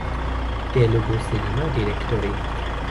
Telugu cinema directory